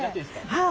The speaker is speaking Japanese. はい。